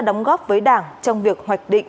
đóng góp với đảng trong việc hoạch định